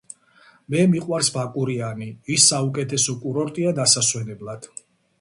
მე მიყვარს ბაკურიანი ის საუკეთესო კურორტია დასასვენებლად